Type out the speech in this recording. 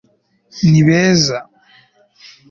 ni beza